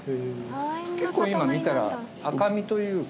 結構今見たら赤身というか。